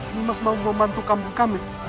nimas mau membantu kampung kami